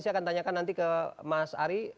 saya akan tanyakan nanti ke mas ari